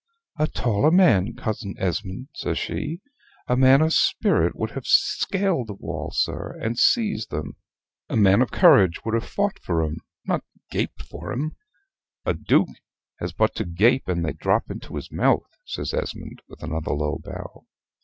"A taller man, Cousin Esmond!" says she. "A man of spirit would have sealed the wall, sir, and seized them! A man of courage would have fought for 'em, not gaped for 'em." "A Duke has but to gape and they drop into his mouth," says Esmond, with another low bow.